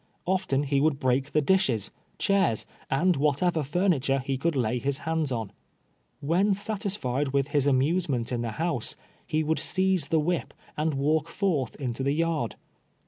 Often he would break the dishes, chairs, and whatever furni ture he could lay his hands on, "When satisfied M'ith his amusement in the house, he would seize the whip and walk forth into the yard.